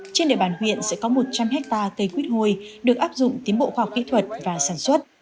trên địa bàn huyện sẽ có một trăm linh hectare cây quýt hơi được áp dụng tiến bộ khoa học kỹ thuật và sản xuất